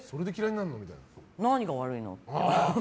何が悪いの？って。